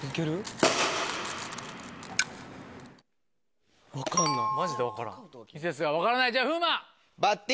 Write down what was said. ピンポンミセスが分からないじゃあ風磨。